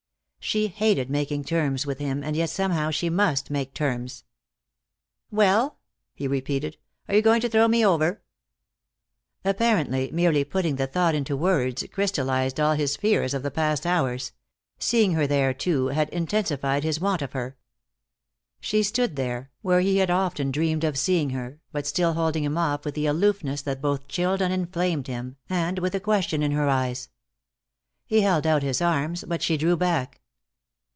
She hated making terms with him, and yet somehow she must make terms. "Well?" he repeated. "Are you going to throw me over?" Apparently merely putting the thought into words crystallized all his fears of the past hours; seeing her there, too, had intensified his want of her. She stood there, where he had so often dreamed of seeing her, but still holding him off with the aloofness that both chilled and inflamed him, and with a question in her eyes. He held out his arms, but she drew back.